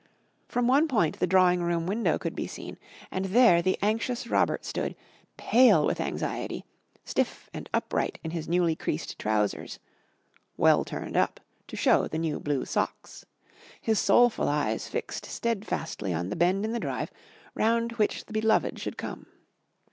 From one point the drawing room window could be seen, and there the anxious Robert stood, pale with anxiety, stiff and upright in his newly creased trousers (well turned up to show the new blue socks), his soulful eyes fixed steadfastly on the bend in the drive round which the beloved should come.